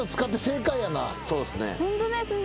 そうっすね。